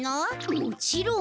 もちろん。